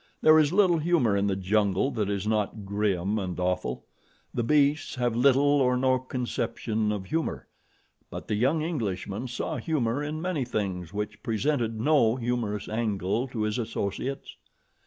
There is little humor in the jungle that is not grim and awful. The beasts have little or no conception of humor; but the young Englishman saw humor in many things which presented no humorous angle to his associates.